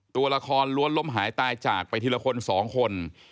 ตัวละครล้วนล้มหายตายจากไปทีละคนสองคน